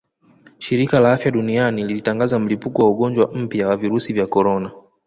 Shirika la Afya Duniani lilitangaza mlipuko wa ugonjwa mpya wa virusi vya korona